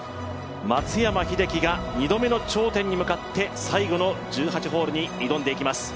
松山英樹が２度目の頂点に向かって最後の１８ホールに挑んでいきます。